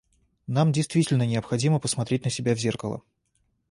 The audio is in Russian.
Нам действительно необходимо посмотреть на себя в зеркало.